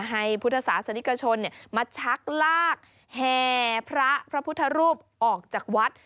ให้พุทธศาสนิกชนมาชักลากแห่พระพระพุทธรูปออกจากวัด